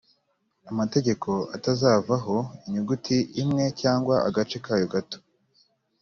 amategeko atazavaho inyuguti imwe cyangwa agace kayo gato